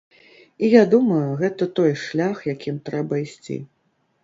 І я думаю, гэта той шлях, якім трэба ісці.